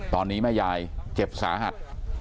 ตอนนี้แม่ยายเจ็บสาหัส